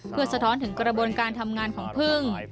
เพื่อสะท้อนถึงกระบวนการทำงานของพึ่ง